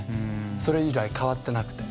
それ以来、変わっていなくて。